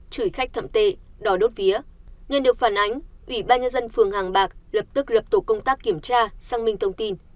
chửi khách thậm tệ đốt vía nhân được phản ánh ủy ban nhân dân phường hàng bạc lập tức lập tổ công tác kiểm tra xăng minh thông tin